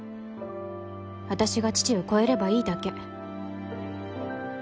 私が父を越えればいいだけ。